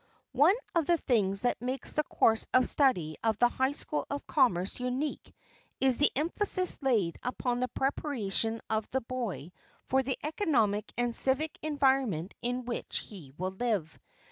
One of the things that makes the course of study of the High School of Commerce unique is the emphasis laid upon the preparation of the boy for the economic and civic environment in which he will live.